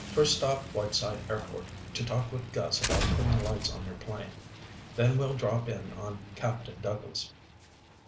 First stop Whiteside Airport to talk with Gus about putting lights on your plane. Then we'll drop in on Captain Douglas."